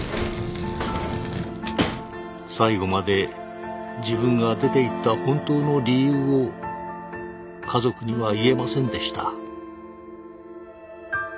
最後まで自分が出ていった本当の理由を家族には言えませんでした。